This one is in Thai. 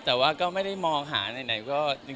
แต่ว่าก็ไม่ได้มองหาไหนก็